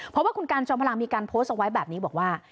เพราะว่าคุณการจอมพลังมีการโพสต์เอาไว้แบบนี้บอกว่า